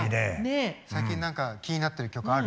最近何か気になってる曲ある？